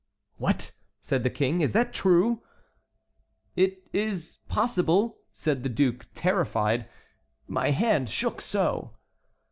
"What!" said the King; "is that true?" "It is possible," said the duke terrified; "my hand shook so!"